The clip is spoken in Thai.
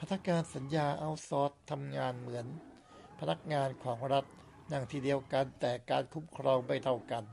พนักงานสัญญาเอาต์ซอร์สทำงานเหมือนพนักงานของรัฐ นั่งที่เดียวกัน แต่การคุ้มครองไม่เท่ากัน